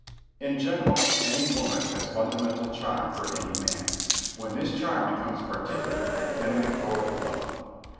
In general, any woman has fundamental charm for any man. When this charm becomes particular, then we call it love.